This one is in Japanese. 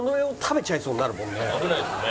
危ないですね。